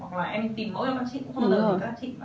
hoặc là em tìm mẫu cho các chị